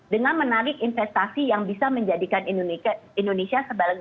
dengan menarik investasi yang bisa menjadikan indonesia sebalan